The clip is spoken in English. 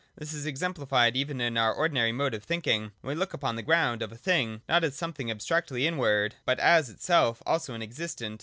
This is exemplified even in our ordinary 123! 124 ] EXISTENCE. 231 mode of thinking, when we look upon the ground of a thing, not as something abstractly inward, but as itself also an existent.